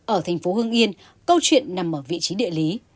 ở thành phố hưng yên câu chuyện nằm ở vị trí địa lý